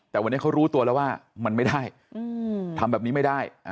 แต่วันนี้เขารู้ตัวแล้วว่ามันไม่ได้ทำแบบนี้ไม่ได้